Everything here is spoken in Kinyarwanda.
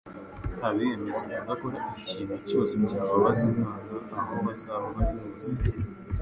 Abiyemeza kudakora ikintu cyose cyababaza Imana aho bazaba bari hose,